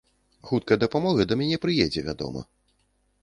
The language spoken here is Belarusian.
Хуткая дапамога да мяне прыедзе, вядома.